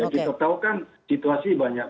kita tahu kan situasi banyak